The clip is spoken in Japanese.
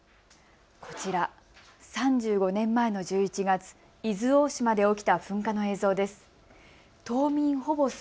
こちら、３５年前の１１月、伊豆大島で起きた噴火の映像です。